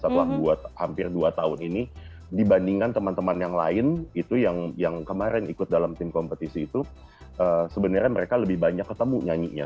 jadi kalau saya berpikir hampir dua tahun ini dibandingkan teman teman yang lain itu yang kemarin ikut dalam tim kompetisi itu sebenarnya mereka lebih banyak ketemu nyanyinya